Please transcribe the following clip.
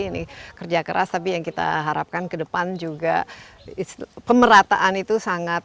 ini kerja keras tapi yang kita harapkan ke depan juga pemerataan itu sangat